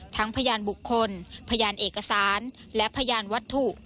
พยานบุคคลพยานเอกสารและพยานวัตถุ